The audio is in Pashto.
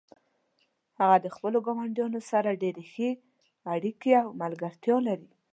هغه د خپلو ګاونډیانو سره ډیرې ښې اړیکې او ملګرتیا لري